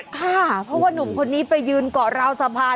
ค่ะเพราะว่านุ่มคนนี้ไปยืนเกาะราวสะพาน